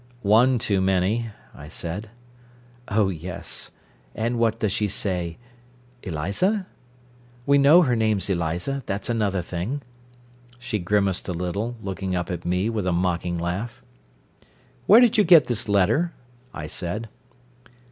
"One too many," I said. "Oh yes. And what does she say Eliza? We know her name's Eliza, that's another thing." She grimaced a little, looking up at me with a mocking laugh. "Where did you get this letter?" I said.